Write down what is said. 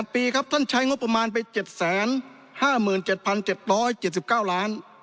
ปีครับท่านใช้งบประมาณไป๗๕๗๗๙ล้าน